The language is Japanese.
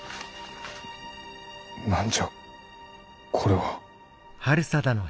何じゃこれは。